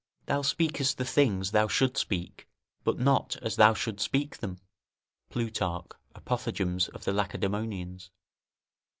thou speakest the things thou shouldst speak, but not as thou shouldst speak them." [Plutarch, Apothegms of the Lacedamonians.